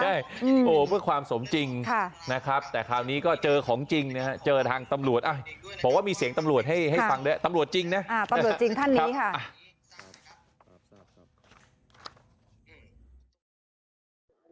ใช่โอ้เพื่อความสมจริงนะครับแต่คราวนี้ก็เจอของจริงนะฮะเจอทางตำรวจบอกว่ามีเสียงตำรวจให้ฟังด้วยตำรวจจริงนะตำรวจจริงท่านนี้ค่ะ